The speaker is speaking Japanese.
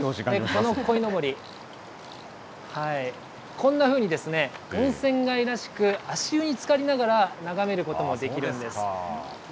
このこいのぼり、こんなふうに温泉街らしく、足湯につかりながら眺めることもできるんです。